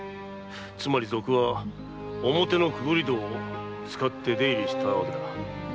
つまり賊は表の潜り戸を使って出入りしたわけだ。